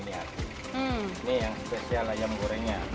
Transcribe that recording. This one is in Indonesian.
ini yang spesial ayam gorengnya